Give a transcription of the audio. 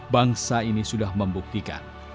bangsa ini sudah membuktikan